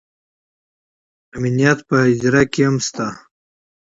امنیت په هدیره کې هم شته